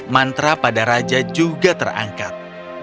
mantra pada raja juga terangkat